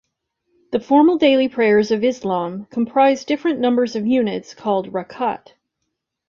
The formal daily prayers of Islam comprise different numbers of units, called "rak'at".